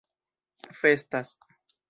festas